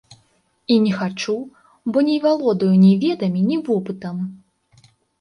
І не хачу, бо не валодаю ні ведамі, ні вопытам.